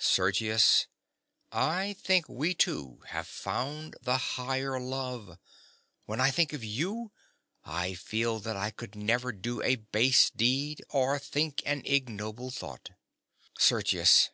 _) Sergius: I think we two have found the higher love. When I think of you, I feel that I could never do a base deed, or think an ignoble thought. SERGIUS.